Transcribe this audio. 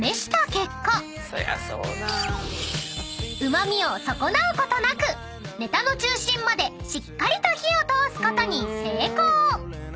［旨みを損なうことなくネタの中心までしっかりと火を通すことに成功］